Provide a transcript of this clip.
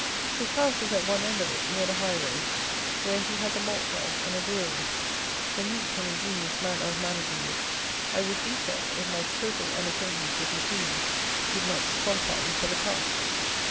His house is at one end of it near the high road, where he has a malt house and a brewery, the neat and ingenious manner of managing which I would detail if my total unacquaintance with machinery did not disqualify me for the task.